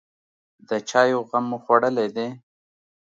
_د چايو غم مو خوړلی دی؟